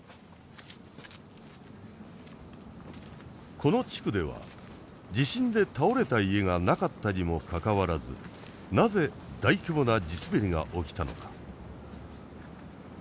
この地区では地震で倒れた家がなかったにもかかわらずなぜ大規模な地滑りが起きたのか。